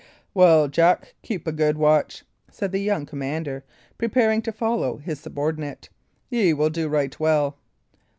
"Well, Jack, keep me a good watch," said the young commander, preparing to follow his subordinate. "Ye will do right well."